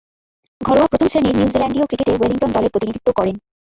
ঘরোয়া প্রথম-শ্রেণীর নিউজিল্যান্ডীয় ক্রিকেটে ওয়েলিংটন দলের প্রতিনিধিত্ব করেন।